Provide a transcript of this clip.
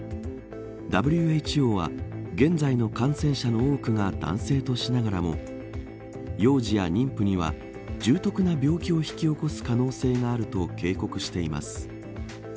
ＷＨＯは、現在の感染者の多くが男性としながらも幼児や妊婦には重篤な病気を引き起こす可能性があると警告しています。